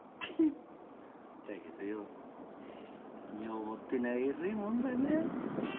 だけど女房って奴は偉ェもんだなあ。